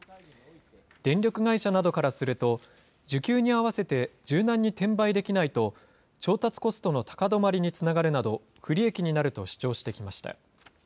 電力会社などからすると、需給に合わせて柔軟に転売できないと、調達コストの高止まりにつながるなど、不利益になると主張してきました。